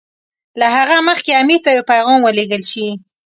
له هغه مخکې امیر ته یو پیغام ولېږل شي.